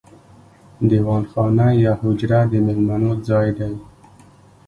دیوان خانه یا حجره د میلمنو ځای دی.